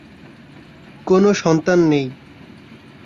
কোনো সন্তান নেই।